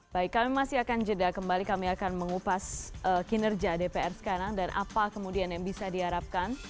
baik kami masih akan jeda kembali kami akan mengupas kinerja dpr sekarang dan apa kemudian yang bisa diharapkan